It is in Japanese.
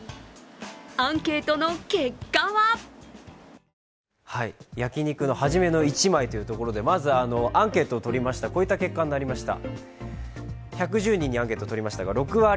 アンケートの結果は焼き肉のはじめの１枚というところでまずアンケートをとりました、こういった結果になりました。